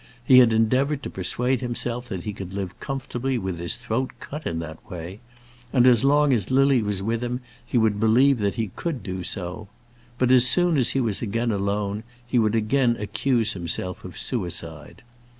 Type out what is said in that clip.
He had endeavoured to persuade himself that he could live comfortably with his throat cut in that way; and as long as Lily was with him he would believe that he could do so; but as soon as he was again alone he would again accuse himself of suicide.